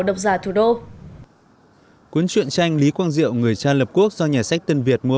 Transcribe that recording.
độc giả thủ đô cuốn chuyện tranh lý quang diệu người cha lập quốc do nhà sách tân việt mua